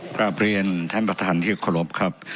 กลับเรียนท่านประธานที่เคารพครับ